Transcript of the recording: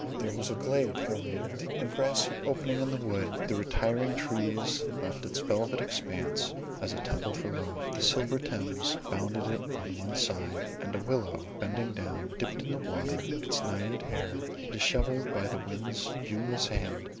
There was a glade, O reader! a grassy opening in the wood; the retiring trees left its velvet expanse as a temple for love; the silver Thames bounded it on one side, and a willow bending down dipt in the water its Naiad hair, dishevelled by the wind's viewless hand.